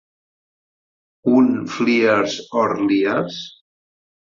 Un Fliers or Liars?